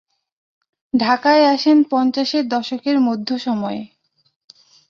ঢাকায় আসেন পঞ্চাশের দশকের মধ্য সময়ে।